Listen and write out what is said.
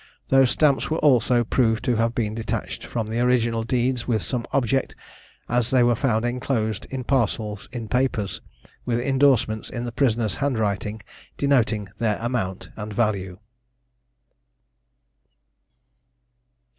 Those stamps were also proved to have been detached from the original deeds with some object, as they were found enclosed in parcels in papers, with indorsements in the prisoner's hand writing, denoting their amount and value.